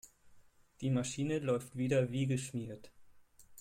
Die Maschine läuft wieder wie geschmiert.